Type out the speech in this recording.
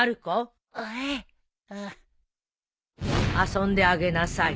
遊んであげなさい。